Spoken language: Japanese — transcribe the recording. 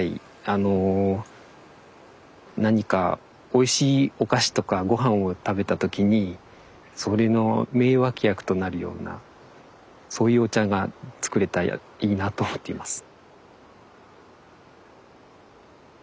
あの何かおいしいお菓子とかごはんを食べた時にそれの名脇役となるようなそういうお茶が作れたらいいなと思っています。